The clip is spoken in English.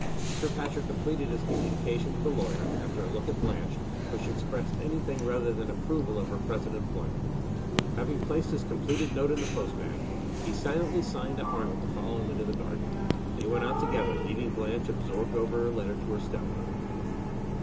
Sir Patrick completed his communication to the lawyer after a look at Blanche, which expressed any thing rather than approval of her present employment. Having placed his completed note in the postbag, he silently signed to Arnold to follow him into the garden. They went out together, leaving Blanche absorbed over her letter to her step mother.